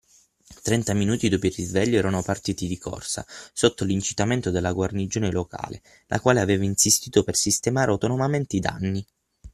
Trenta minuti dopo il risveglio erano partiti di corsa, sotto l’incitamento della guarnigione locale, la quale aveva insistito per sistemare autonomamente i danni.